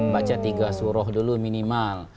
baca tiga suruh dulu minimal